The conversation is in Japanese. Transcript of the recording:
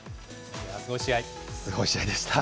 すごい試合でした。